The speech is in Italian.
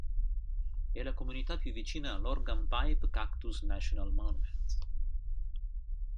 È la comunità più vicina all'Organ Pipe Cactus National Monument.